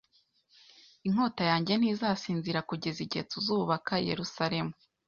inkota yanjye ntizasinzira Kugeza igihe tuzubaka Yeruzalemu